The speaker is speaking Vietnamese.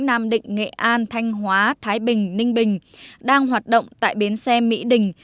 nam định nghệ an thanh hóa thái bình ninh bình đang hoạt động tại bến xe mỹ đình